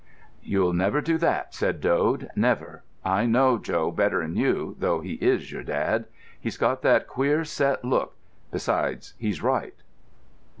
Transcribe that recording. "You'll never do that," said Dode. "Never. I know Joe better'n you, though he is your dad. He's got that queer set look;—besides, he's right."